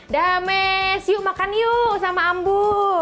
dah mes yuk makan yuk sama ambu